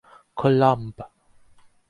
Colomb.